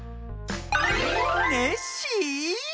ネッシー？